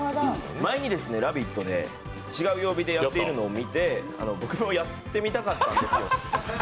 前に「ラヴィット！」で違う曜日でやっているのを見て、僕もやってみたかったんですよ。